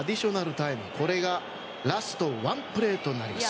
タイムこれがラストワンプレーとなります。